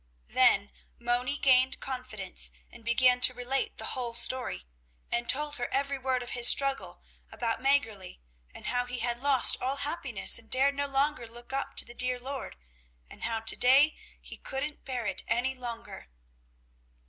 Then Moni gained confidence and began to relate the whole story, and told her every word of his struggle about Mäggerli and how he had lost all happiness and dared no longer look up to the dear Lord, and how to day he couldn't bear it any longer.